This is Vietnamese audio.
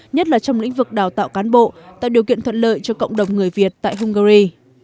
nhất là trong lĩnh vực đào tạo cán bộ tạo điều kiện thuận lợi cho cộng đồng người việt tại hungary